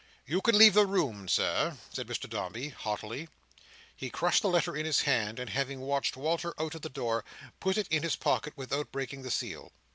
"You can leave the room, Sir!" said Mr Dombey, haughtily. He crushed the letter in his hand; and having watched Walter out at the door, put it in his pocket without breaking the seal.